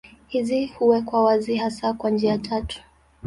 Hizi huwekwa wazi hasa kwa njia tatu.